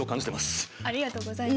ありがとうございます。